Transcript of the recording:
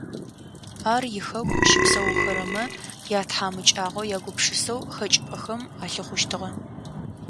Ар ихэку щыпсэухэрэмэ ятхьамыкӏагъо ягупшысэу хэкӏыпӏэхэм алъыхъущтыгъэ.